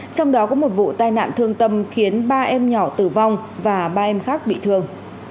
trong đó có một vụ tai nạn thương tâm khiến ba em nhỏ tử vong và ba em khác bị thương